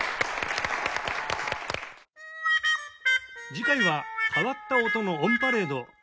次回は「変わった音のオンパレード！